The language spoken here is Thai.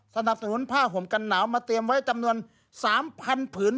สนับสนุนผ้าห่มกันหนาวมาเตรียมไว้จำนวน๓๐๐ผืน